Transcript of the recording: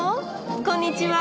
こんにちは！